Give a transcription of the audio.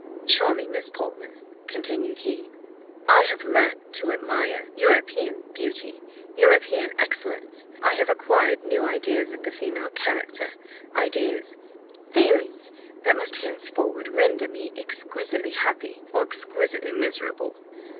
"Charming Miss Portman," continued he, "I have learnt to admire European beauty, European excellence! I have acquired new ideas of the female character ideas feelings that must henceforward render me exquisitely happy or exquisitely miserable."